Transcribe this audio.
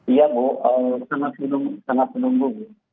iya bu sangat menunggu